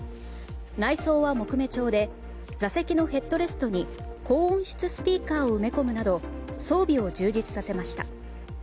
内装は木目調で座席のヘッドレストに高音質スピーカーを埋め込むなど装備を充実させました。